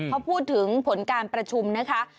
เขาพูดถึงผลการประชุมนะคะ